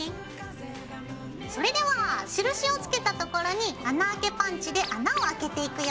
それでは印をつけた所に穴あけパンチで穴をあけていくよ。